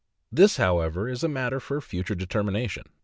This, however, is a matter for future determination.